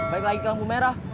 balik lagi ke lembu merah